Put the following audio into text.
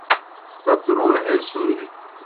تترُوݨ ہے سُوریْ